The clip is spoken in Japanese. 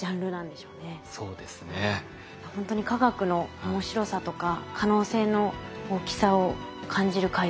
ほんとに化学の面白さとか可能性の大きさを感じる回でした。